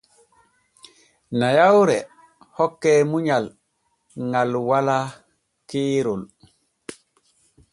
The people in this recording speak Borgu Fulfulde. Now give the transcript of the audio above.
Nayawre hokke munyal ŋal walaa keerol.